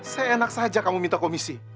saya enak saja kamu minta komisi